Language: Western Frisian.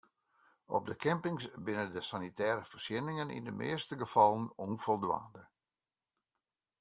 Op de campings binne de sanitêre foarsjenningen yn de measte gefallen ûnfoldwaande.